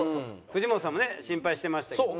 藤本さんもね心配してましたけど。